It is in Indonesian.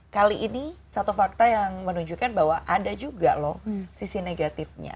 kali ini satu fakta yang menunjukkan bahwa ada juga loh sisi negatifnya